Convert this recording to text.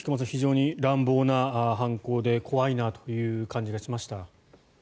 非常に乱暴な犯行で怖いなという感じがしました。